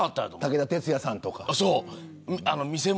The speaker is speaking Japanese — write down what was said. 武田鉄矢さんとかね。